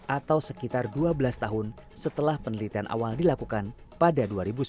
atau sekitar dua belas tahun setelah penelitian awal dilakukan pada dua ribu sembilan belas